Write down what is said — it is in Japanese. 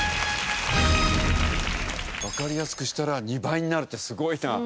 わかりやすくしたら２倍になるってすごいな。